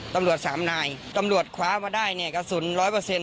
ตำรวจสามนายตำรวจคว้ามาได้เนี่ยกระสุนร้อยเปอร์เซ็น